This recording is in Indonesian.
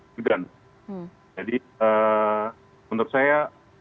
jadi menurut saya